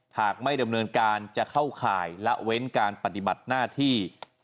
หากไม่ดำเนินการจะเข้าข่ายละเว้นการปฏิบัติหน้าที่